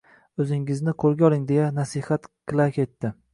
O`zingizni qo`lga oling, deya nasihat qila ketdi